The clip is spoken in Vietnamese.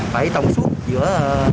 phải tổng suất giữa